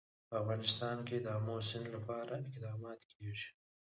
په افغانستان کې د آمو سیند لپاره اقدامات کېږي.